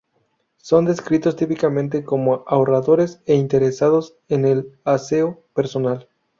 Son descritos típicamente como ahorradores e interesados en el aseo personal.